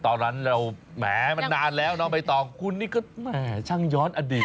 ตอนนั้นเราแหมมันนานแล้วน้องใบตองคุณนี่ก็แหมช่างย้อนอดีต